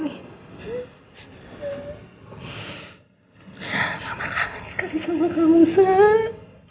mama kangen sekali sama kamu sayang